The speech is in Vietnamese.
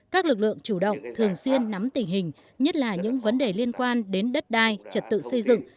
các lực lượng chủ động thường xuyên nắm tình hình nhất là những vấn đề liên quan đến đất đai trật tự xây dựng